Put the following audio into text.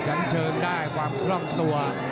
ชั้นเชิงได้ความคล่องตัว